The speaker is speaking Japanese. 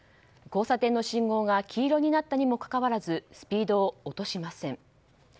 交差点の信号が黄色になったにもかかわらずスピードを落としません。